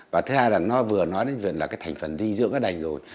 và thứ hai là nó vừa nói đến là thành phần dinh dưỡng nó đành rồi